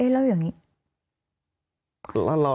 แล้วอย่างนี้